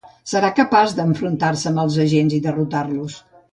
Serà capaç d'enfrontar-se amb els agents i derrotar-los.